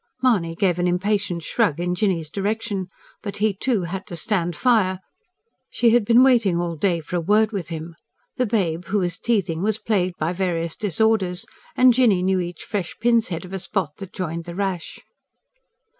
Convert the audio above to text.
Mahony gave an impatient shrug in Jinny's direction. But he, too, had to stand fire: she had been waiting all day for a word with him. The babe, who was teething, was plagued by various disorders; and Jinny knew each fresh pin's head of a spot that joined the rash.